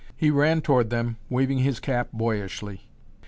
He ran toward them waving his cap boyishly.